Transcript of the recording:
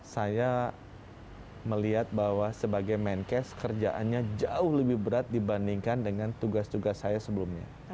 saya melihat bahwa sebagai menkes kerjaannya jauh lebih berat dibandingkan dengan tugas tugas saya sebelumnya